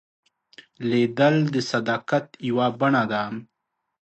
لیدل د صداقت یوه بڼه ده